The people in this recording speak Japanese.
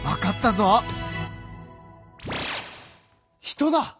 人だ！